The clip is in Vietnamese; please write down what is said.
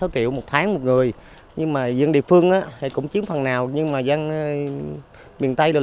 tranh giấy xóng này